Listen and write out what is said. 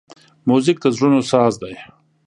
موزیک د زړونو ساز دی.